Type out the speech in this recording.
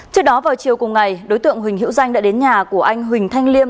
trước đó vào chiều cùng ngày đối tượng huỳnh hữu danh đã đến nhà của anh huỳnh thanh liêm